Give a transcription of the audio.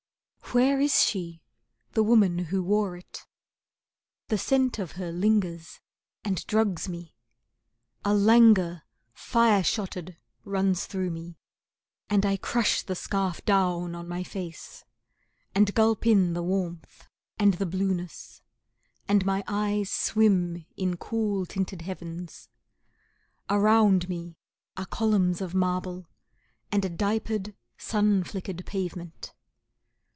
Where is she, the woman who wore it? The scent of her lingers and drugs me! A languor, fire shotted, runs through me, and I crush the scarf down on my face, And gulp in the warmth and the blueness, and my eyes swim in cool tinted heavens. Around me are columns of marble, and a diapered, sun flickered pavement.